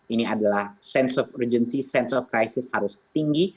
ini adalah sense of urgency sense of crisis harus tinggi